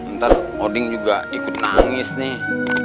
ntar oding juga ikut nangis nih